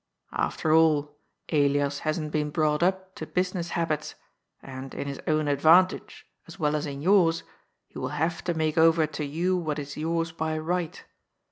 Aftei all, Elias hasn't been brought up to business habits, and in his own advantage, as well as in yours, he will have to make over to you what is yours by right.